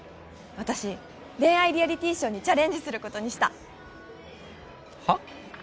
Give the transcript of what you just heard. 私恋愛リアリティーショーにチャレンジすることにしたはっ？